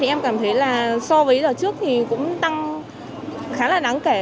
em cảm thấy là so với giờ trước thì cũng tăng khá là đáng kể